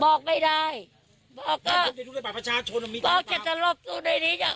บอกไม่ได้บอกก็บาทประชาชนมันมีบอกจะตลอดสู้ในนี้จ้ะ